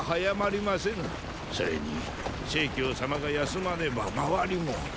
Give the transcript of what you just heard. それに成様が休まねば周りも。